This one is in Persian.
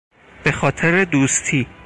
به خاطر دوستی